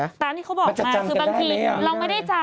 ดังนั้นตามที่เขาบอกมาคือบางทีเราไม่ได้จำ